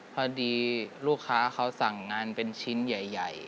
พอดีลูกค้าเขาสั่งงานเป็นชิ้นใหญ่